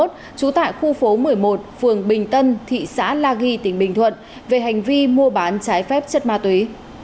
trú tại khu phố một mươi một phường bình tân thị xã la ghi tỉnh bình thuận về hành vi mua bán trái phép chất ma túy